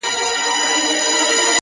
هوښیار انسان له تجربې خزانه جوړوي!